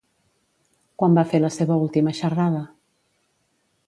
Quan va fer la seva última xerrada?